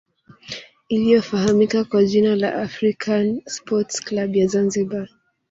iliyofahamika kwa jina la african sport club ya zanzibar